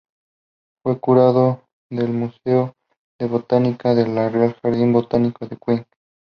Fue curador del Museo de Botánica del Real Jardín Botánico de Kew.